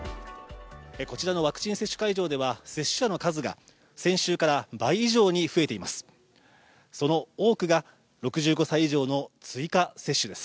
こちらのワクチン接種会場では接種者の数が先週から倍以上に増えています。